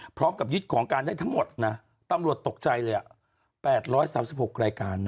พร้อมกับยึดของการได้ทั้งหมดนะตำรวจตกใจเลย๘๓๖รายการนะ